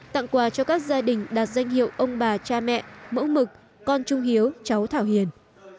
tặng quà cho các gia đình đạt danh hiệu ông bà cha mẹ mẫu mực con trung hiếu cháu thảo hiền